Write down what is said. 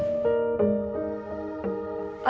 asgara sudah dikasih kesembuhan